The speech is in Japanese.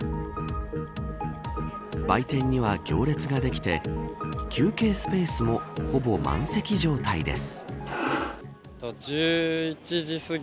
売店には行列ができて休憩スペースもほぼ満席状態です。